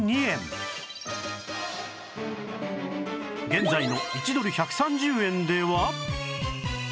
現在の１ドル１３０円では